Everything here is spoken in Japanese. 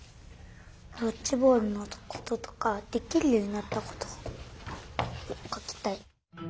ドッジボールのこととかできるようになったことかきたい。